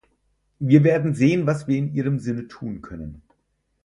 Wir werden sehen, was wir in Ihrem Sinne tun können.